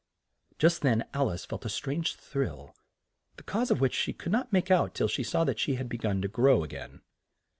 Just then Al ice felt a strange thrill, the cause of which she could not make out till she saw she had be gun to grow a gain.